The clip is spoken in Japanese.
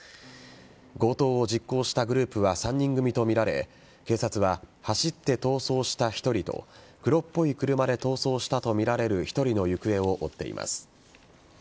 強盗を実行したグループは３人組とみられ警察は、走って逃走した１人と黒っぽい車で逃走したとみられる１人の行方を追っています。